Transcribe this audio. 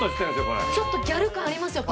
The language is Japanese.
これちょっとギャル感ありますよ